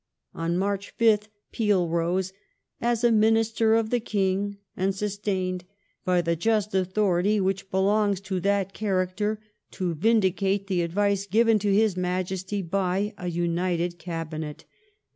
On March 5th Peel rose " as a Minister of the King and sus tained by the just authority which belongs to that character to vindicate the advice given to his Majesty by a united Cabinet".